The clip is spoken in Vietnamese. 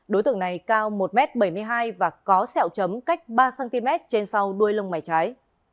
đối tượng này cao một m bảy mươi hai và có sẹo chấm cách ba cm trên sau đuôi lông mái trái